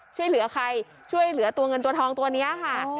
ช่วยเหลือใครช่วยเหลือตัวเงินตัวทองตัวนี้ค่ะ